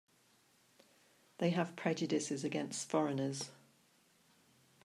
They have prejudices against foreigners.